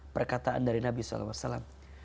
perkataan dari nabi sallallahu alaihi wasallam